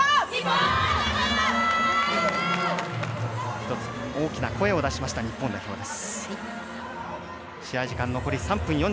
１つ、大きな声を出しました日本代表です。